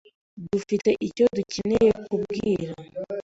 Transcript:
Dufite icyo dukeneye kubwira